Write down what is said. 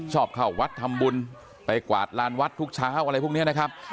ชอบเข้าวัดทำบุญไปกวาดลานวัดทุกเช้าอะไรพวกนี้นะครับ